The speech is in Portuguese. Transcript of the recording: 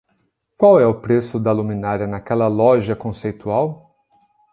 Qual é o preço da luminária naquela loja conceitual?